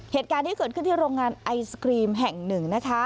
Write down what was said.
เหตุการณ์ที่เกิดขึ้นที่โรงงานไอศครีมแห่งหนึ่งนะคะ